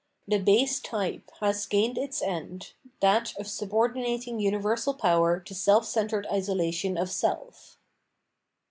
The base type has gained its end, that of subordinating universal power to self centred isolation of self.